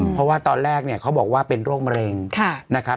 เพราะว่าตอนแรกเนี่ยเขาบอกว่าเป็นโรคมะเร็งนะครับ